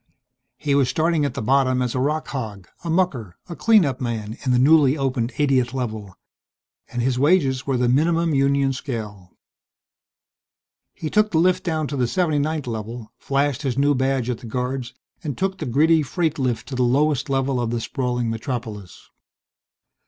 He was starting at the bottom as a rock hog, a mucker, a clean up man in the newly opened 80th Level. And his wages were the minimum union scale. He took the lift down to the 79th Level, flashed his new badge at the guards, and took the gritty freight lift to the lowest level of the sprawling metropolis....